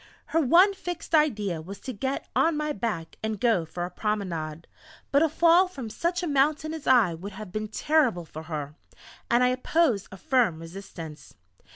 Her one fixed idea was to get on my back and go for a promenade. But a fall from such a mountain as I would have been terrible for her, and I opposed a firm resistance.